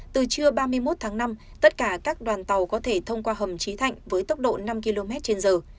từ trưa ba mươi một tháng năm tất cả các đoàn tàu có thể thông qua hầm trí thạnh với tốc độ năm km trên giờ